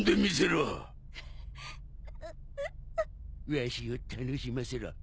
わしを楽しませろ。